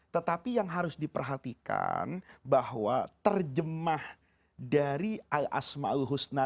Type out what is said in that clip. tetapi yang harus diperhatikan bahwa terjemah dari asma'ul husna